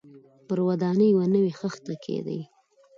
پر ودانۍ یوه نوې خښته کېږدي.